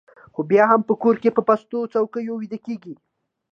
خو بیا هم په کور کې په پستو څوکیو ویده کېږي